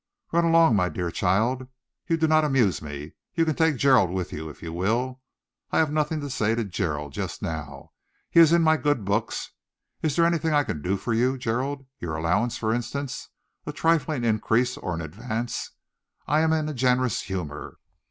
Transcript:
Run along, my dear child. You do not amuse me. You can take Gerald with you, if you will. I have nothing to say to Gerald just now. He is in my good books. Is there anything I can do for you, Gerald? Your allowance, for instance a trifling increase or an advance? I am in a generous humour."